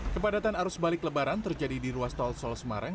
kepadatan arus balik lebaran terjadi di ruas tol sol semarang